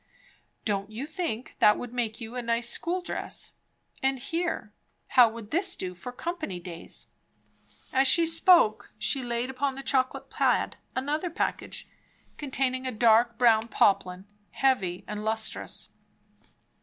"Don't you think that would make you a nice school dress? and here how would this do for company days?" As she spoke, she laid upon the chocolate plaid another package, containing a dark brown poplin, heavy and lustrous.